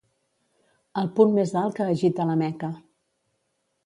El punt més alt que agita la Meca.